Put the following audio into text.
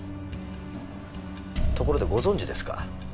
ところでご存じですか？